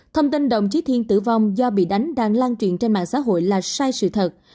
thông tin đồng chí thiên tử vong do bị đánh đang lan truyền trên mạng xã hội là sai sự thật